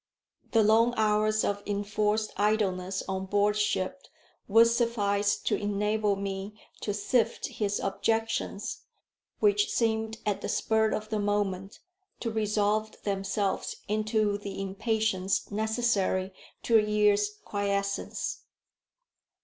The long hours of enforced idleness on board ship would suffice to enable me to sift his objections, which seemed at the spur of the moment to resolve themselves into the impatience necessary to a year's quiescence.